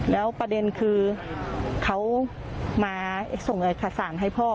แล้วประเด็นคือเขามาส่งเอกสารให้พ่อ